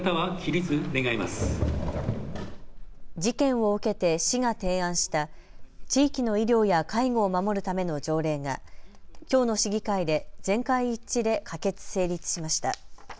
事件を受けて市が提案した地域の医療や介護を守るための条例がきょうの市議会で全会一致で可決・成立しました。